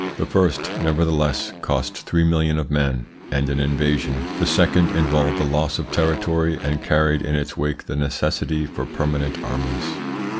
The first, nevertheless, cost three millions of men and an invasion, the second involved a loss of territory, and carried in its wake the necessity for permanent armies.